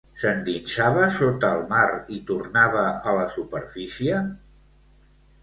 S'endinsava sota el mar i tornava a la superfície?